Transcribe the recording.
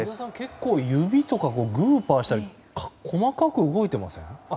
結構、指とかグーパーしたり細かく動いていません？